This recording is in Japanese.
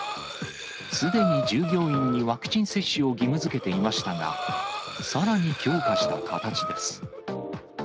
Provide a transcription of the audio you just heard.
すでに従業員にワクチン接種を義務づけていましたが、さらに強化した形です。